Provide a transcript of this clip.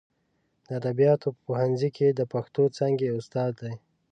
د ادبیاتو په پوهنځي کې د پښتو څانګې استاد دی.